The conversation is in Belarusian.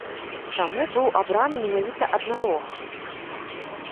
Чаму быў абраны менавіта аднарог?